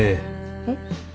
えっ？